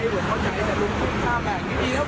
แต่ลุงขึ้นข้ามแบบนี้ดีนะผม